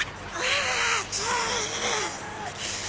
ああ！